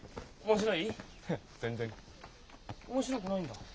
面白くないんだ？